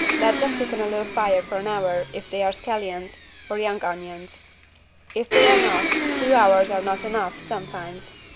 Let them cook on a low fire for an hour, if they are scallions, or young onions. If they are not, two hours are not enough, sometimes.